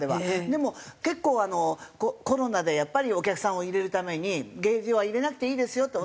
でも結構コロナでやっぱりお客さんを入れるためにケージは入れなくていいですよって。